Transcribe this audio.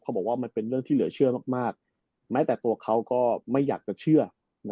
บอกว่ามันเป็นเรื่องที่เหลือเชื่อมากแม้แต่ตัวเขาก็ไม่อยากจะเชื่อ